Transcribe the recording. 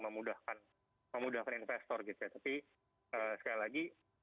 memudahkan memudahkan investor gitu ya tapi sekali lagi